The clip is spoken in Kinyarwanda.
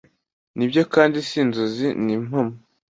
Nibyo kandi si inzozi n’impamo